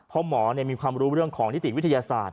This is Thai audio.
เพราะหมอมีความรู้เรื่องของนิติวิทยาศาสตร์